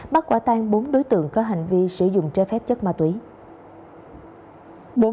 bắt quả tan bốn đối tượng có hành vi sử dụng trái phép chất ma túy